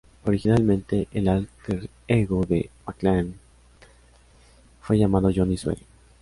Originalmente, el álter ego de McLean fue llamado Johnny Suede.